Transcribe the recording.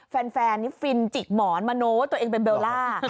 แฟนนี่ฟินกว่าเป็นเบลล่า